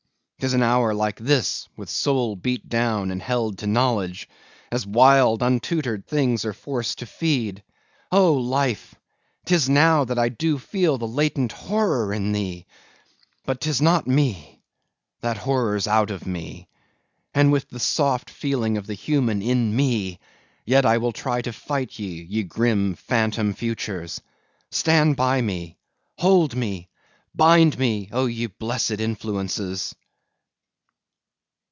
'tis in an hour like this, with soul beat down and held to knowledge,—as wild, untutored things are forced to feed—Oh, life! 'tis now that I do feel the latent horror in thee! but 'tis not me! that horror's out of me! and with the soft feeling of the human in me, yet will I try to fight ye, ye grim, phantom futures! Stand by me, hold me, bind me, O ye blessed influences!